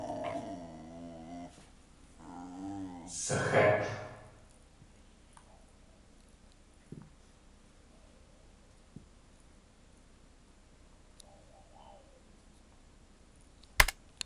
Saxét!